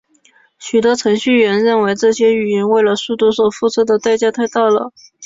许多程序员认为这些语言为了速度所付出的代价太大了。